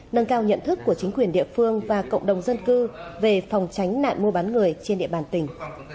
nâng cao nhận thức của chính quyền địa phương và cộng đồng dân cư về phòng tránh nạn mua bán người trên địa bàn tỉnh